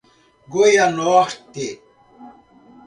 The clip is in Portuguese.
Goianorte